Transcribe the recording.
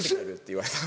言われた。